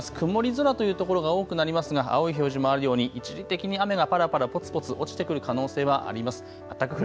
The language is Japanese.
曇り空というところが多くなりますが青い表示もあるように一時的に雨がぱらぱらぽつぽつ落ちてくる可能性はあります。